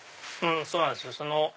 そうなんですよ。